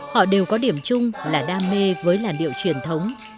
họ đều có điểm chung là đam mê với làn điệu truyền thống